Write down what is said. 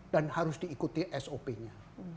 dan harus diikuti sop nya